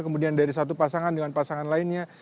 kemudian dari satu pasangan dengan pasangan lainnya